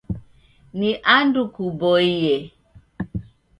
Ni andu kuboie.